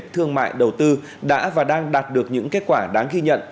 thương mại đầu tư đã và đang đạt được những kết quả đáng ghi nhận